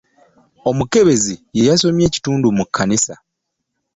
Omukebezi ye yasomye ebitundu mu kkanisa.